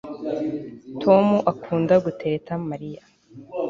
Tom akunda gutereta Mariya